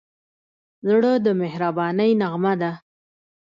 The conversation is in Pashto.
زړه د مهربانۍ نغمه ده.